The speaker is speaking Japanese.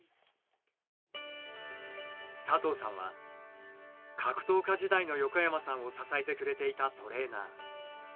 佐藤さんは格闘家時代の横山さんを支えてくれていたトレーナー。